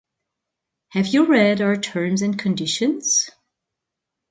Have you read our terms and conditions?